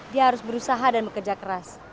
dia harus berusaha dan bekerja keras